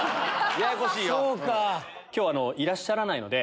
今日いらっしゃらないので。